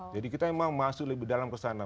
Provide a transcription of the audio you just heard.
jadi kita memang masuk lebih dalam ke sana